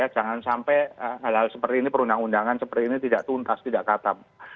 jangan sampai hal hal seperti ini perundang undangan seperti ini tidak tuntas tidak katam